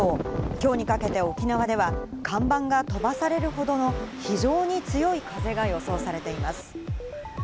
きょうにかけて沖縄では看板が飛ばされるほどの非常に強い風が予想されています。